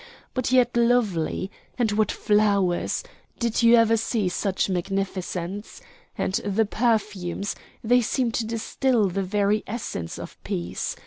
But yet lovely. And what flowers! Did you ever see such magnificence? And the perfumes! They seem to distil the very essence of peace.